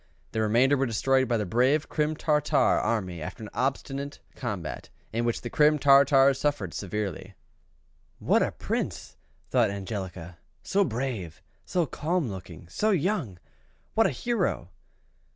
The remainder were destroyed by the brave Crim Tartar army after an obstinate combat, in which the Crim Tartars suffered severely." "What a Prince!" thought Angelica: "so brave so calm looking so young what a hero!"